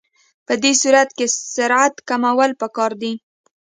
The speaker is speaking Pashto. په دې صورت کې سرعت کمول پکار دي